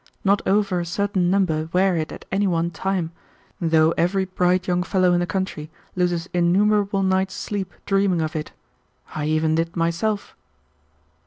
Not over a certain number wear it at any one time, though every bright young fellow in the country loses innumerable nights' sleep dreaming of it. I even did myself."